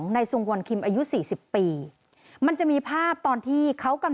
ในทรงวลคิมอายุ๔๐ปี